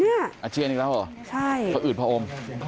เนี้ยอาเจียนอีกแล้วเหรอใช่อืดพออม